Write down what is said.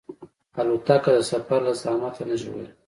الوتکه د سفر له زحمت نه ژغوري.